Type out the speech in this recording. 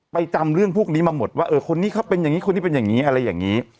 จำเรื่องพวกนี้มาหมดว่าเออคนนี้เขาเป็นอย่างนี้คนนี้เป็นอย่างนี้อะไรอย่างนี้